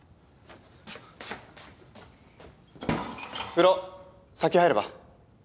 風呂先入れば？